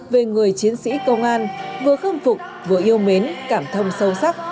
về người chiến sĩ công an vừa khâm phục vừa yêu mến cảm thông sâu sắc